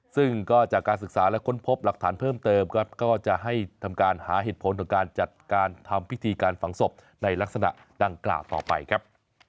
ซึ่งก็จากการศึกษาและค้นพบหลักฐานเพิ่มเติมครับก็จะให้ทำการหาเหตุผลของการจัดการทำพิธีการฝังศพในลักษณะดังกล่าวต่อไปครับ